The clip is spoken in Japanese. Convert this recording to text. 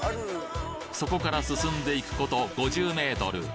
そこから進んでいくこと５０メートル